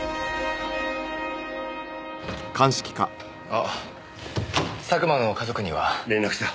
あっ佐久間の家族には？連絡した。